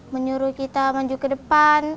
menyuruh kita maju ke depan